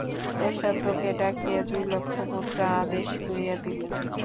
কোষাধ্যক্ষকে ডাকিয়া দুই লক্ষ মুদ্রা আদেশ করিয়া দিলেন।